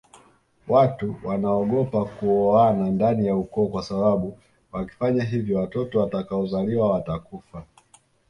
Watu wnaogopa kuoana ndani ya ukoo kwasababu wakifanya hivyo watoto watakaozaliwa watakufa